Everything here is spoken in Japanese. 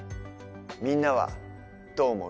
みんなはどう思う？